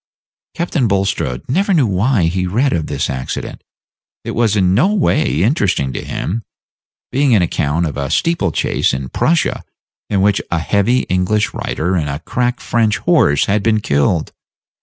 Captain Bulstrode never knew why he read of this accident. It was in no way interesting to him, being an account of a steeple chase in Prussia, in which a heavy English rider and a crack French horse had been killed.